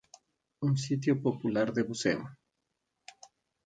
Es un sitio popular de buceo.